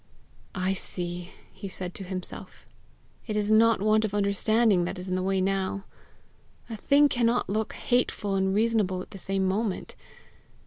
"I see!" he said to himself. "It is not want of understanding that is in the way now! A thing cannot look hateful and reasonable at the same moment!